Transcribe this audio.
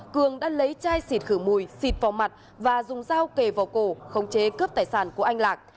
cường đã lấy chai xịt khử mùi xịt vào mặt và dùng dao kề vào cổ khống chế cướp tài sản của anh lạc